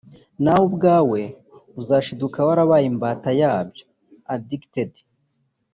nawe ubwawe uzashiduka warabaye imbata yabyo(addicted)